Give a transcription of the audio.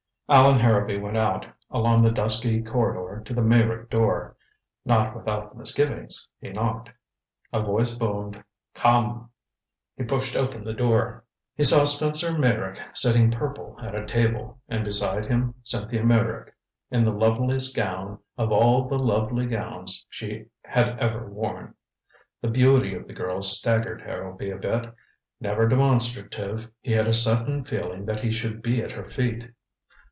Allan Harrowby went out, along the dusky corridor to the Meyrick door. Not without misgivings, he knocked. A voice boomed "Come!" He pushed open the door. He saw Spencer Meyrick sitting purple at a table, and beside him Cynthia Meyrick, in the loveliest gown of all the lovely gowns she had ever worn. The beauty of the girl staggered Harrowby a bit; never demonstrative, he had a sudden feeling that he should be at her feet.